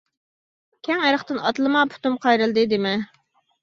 كەڭ ئېرىقتىن ئاتلىما، پۇتۇم قايرىلدى دېمە.